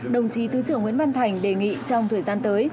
đồng chí thứ trưởng nguyễn văn thành đề nghị trong thời gian tới